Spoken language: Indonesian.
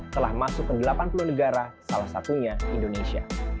telah masuk ke delapan puluh negara salah satunya indonesia